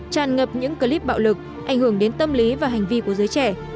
tràn ngập những clip bạo lực ảnh hưởng đến tâm lý và hành vi của giới trẻ